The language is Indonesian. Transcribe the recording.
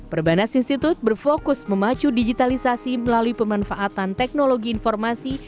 perbanas institute berfokus memacu digitalisasi melalui pemanfaatan teknologi informasi